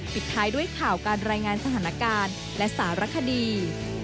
ปิดท้ายด้วยข่าวการรายงานสถานการณ์และสารคดี